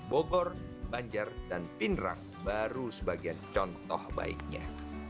bogor banjar dan pindrang baru sebagian contoh baiknya